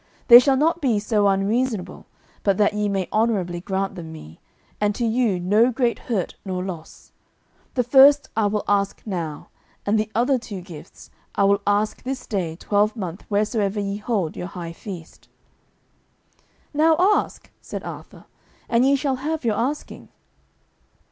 They shall not be so unreasonable but that ye may honourably grant them me, and to you no great hurt nor loss. The first I will ask now, and the other two gifts I will ask this day twelvemonth wheresoever ye hold your high feast." "Now ask," said Arthur, "and ye shall have your asking."